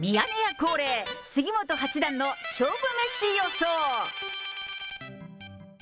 恒例、杉本八段の勝負メシ予想。